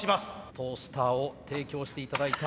トースターを提供して頂いた。